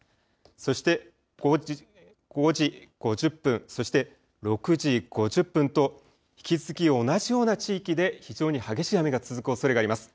そして５時５０分、そして６時５０分と引き続き同じような地域で非常に激しい雨が続くおそれがあります。